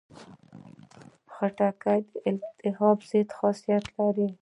خټکی د التهاب ضد خاصیت لري.